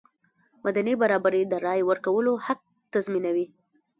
مدني برابري د رایې ورکولو حق تضمینوي.